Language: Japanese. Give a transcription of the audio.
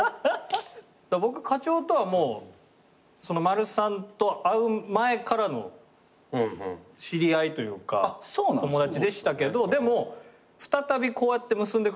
僕課長とはもうマルさんと会う前からの知り合いというか友達でしたけどでも再びこうやって結んでくれたのは明らかに。